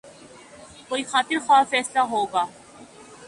کوئی خاطر خواہ فیصلہ ہو گا۔